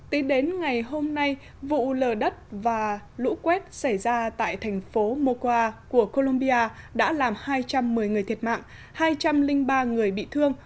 tính đến ngày hôm nay vụ lở đất và lũ quét xảy ra tại thành phố mocwa của colombia đã làm hai trăm một mươi người thiệt mạng hai trăm linh ba người bị thương